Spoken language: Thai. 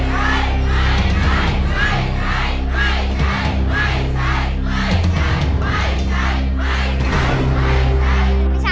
ไม่ใช้